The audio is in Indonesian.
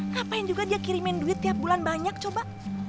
ngapain juga dia kirimin duit tiap bulan banyak coba